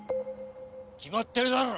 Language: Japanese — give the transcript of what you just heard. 決まってるだろう！